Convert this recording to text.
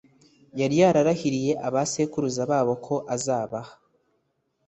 yari yararahiriye abasekuruza babo ko azabaha